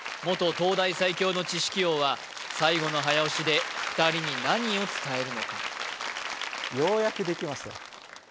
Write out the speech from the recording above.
元東大最強の知識王は最後の早押しで２人に何を伝えるのかようやくできますよ